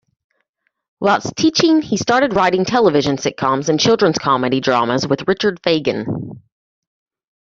Whilst teaching he started writing television sitcoms and children's comedy dramas with Richard Fegen.